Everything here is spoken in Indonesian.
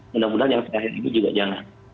mudah mudahan yang terakhir ini juga jangan